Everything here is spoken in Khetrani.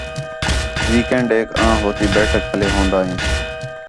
ویک اینڈ ایک آں ہو تی بیٹھک پَلے ہون٘دا ہینس